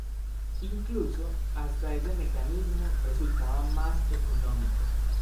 Incluso, hasta ese mecanismo resultaba más económico.